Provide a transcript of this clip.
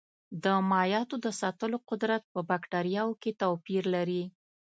د مایعاتو د ساتلو قدرت په بکټریاوو کې توپیر لري.